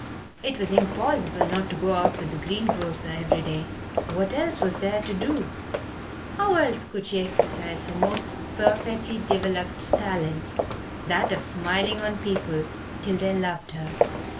It was impossible not to go out with the greengrocer every day. What else was there to do? How else could she exercise her most perfectly developed talent that of smiling on people till they loved her?